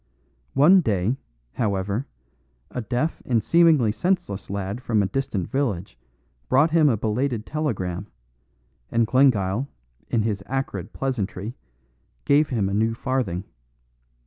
One day, however, a deaf and seemingly senseless lad from a distant village brought him a belated telegram; and Glengyle, in his acrid pleasantry, gave him a new farthing.